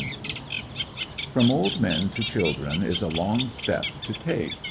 Lost identity From old men to children is a long step to take.